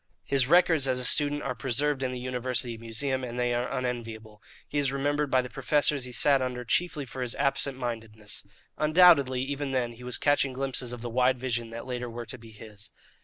His records as a student are preserved in the university museum, and they are unenviable. He is remembered by the professors he sat under chiefly for his absent mindedness. Undoubtedly, even then, he was catching glimpses of the wide visions that later were to be his.